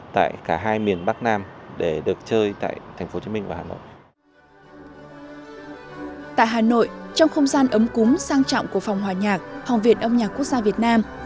tại hà nội trong không gian ấm cúng sang trọng của phòng hòa nhạc học viện âm nhạc quốc gia việt nam